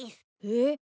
えっ？